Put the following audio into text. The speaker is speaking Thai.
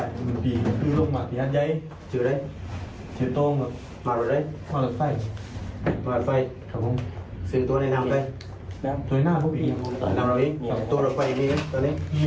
แอบอันดับใหญ่จืกตัวระดับไฟสืบตัวในน้ำไปตัวไน้หน้าพวกอีกน้ำเราอีกตัวน้ำไฟอีกนึง